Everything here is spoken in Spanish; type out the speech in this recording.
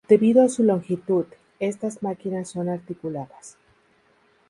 Debido a su longitud, estas máquinas son articuladas.